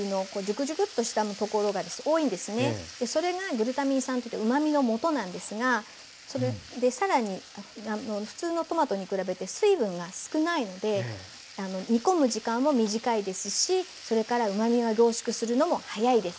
それがグルタミン酸といってうまみのもとなんですがさらに普通のトマトに比べて水分が少ないので煮込む時間も短いですしそれからうまみが凝縮するのもはやいです。